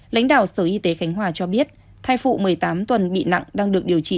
lãnh đạo sở y tế khánh hòa cho biết thai phụ một mươi tám tuần bị nặng đang được điều trị